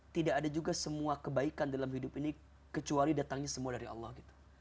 tidak ada juga semua kebaikan dalam hidup ini kecuali datangnya semua dari allah gitu